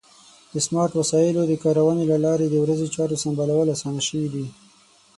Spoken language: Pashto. د سمارټ وسایلو د کارونې له لارې د ورځې چارو سمبالول اسان شوي دي.